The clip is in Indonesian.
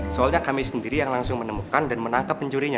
soalnya kami sendiri yang langsung menemukan dan menangkap pencurinya